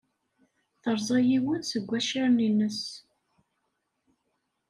Terẓa yiwen seg waccaren-nnes.